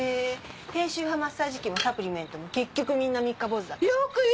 低周波マッサージ器もサプリメントも結局みんな三日坊主だったじゃない。